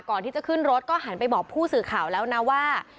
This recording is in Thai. ก่อนที่จะขึ้นรถก็หันไปบอกผู้สื่อข่าวแล้วนะว่า